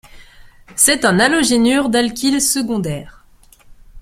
C'est un halogénure d'alkyle secondaire.